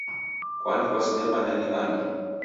Kwani kwasindemanya ni ani?